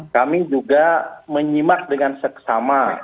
kami juga menyimak dengan seksama